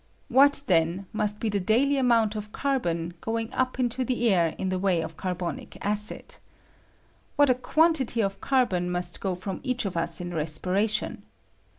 What, then, must be the daDy amount of carbon going up into the air in the way of carbonic acid ! What a quantity of carbon must go from each of us in respiration